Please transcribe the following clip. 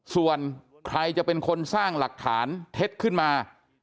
ส่วนใครจะเป็นคนสร้างหลักฐานเท็จขึ้นมา